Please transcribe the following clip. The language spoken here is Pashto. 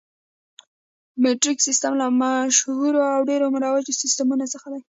مټریک سیسټم له مشهورو او ډېرو مروجو سیسټمونو څخه دی.